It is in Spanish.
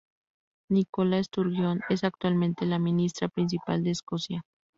Nicola Sturgeon es actualmente la Ministra Principal de Escocia.